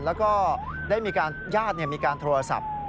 แล้วก็ได้มีการญาติมีการโทรศัพท์